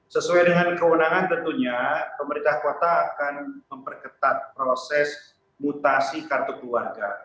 sesuai dengan kewenangan tentunya pemerintah kota akan memperketat proses mutasi kartu keluarga